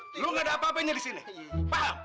lo nggak ada apa apanya di sini paham